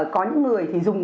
có những người thì dùng